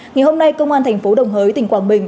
ngày hôm nay công an tp đồng hới tỉnh quảng bình